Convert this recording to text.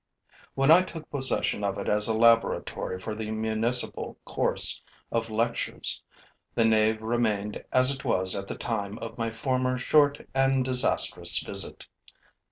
When I took possession of it as a laboratory for the municipal course of lectures, the nave remained as it was at the time of my former short and disastrous visit.